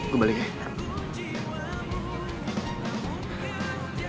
gue balik ya